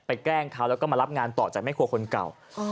แกล้งเขาแล้วก็มารับงานต่อจากแม่ครัวคนเก่า